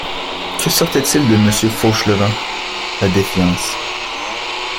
Que sortait-il de Monsieur Fauchelevent? la défiance.